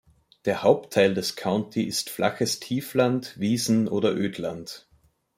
Der Hauptteil des County ist flaches Tiefland, Wiesen oder Ödland.